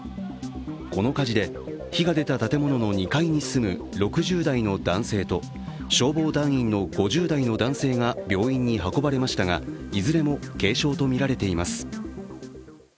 この火事で、火が出た建物の２階に住む６０代の男性と消防団員の５０代の男性が病院に運ばれましたが、いずれも軽傷とみられています。